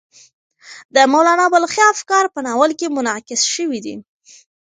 د مولانا بلخي افکار په ناول کې منعکس شوي دي.